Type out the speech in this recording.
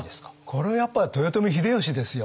これはやっぱり豊臣秀吉ですよ。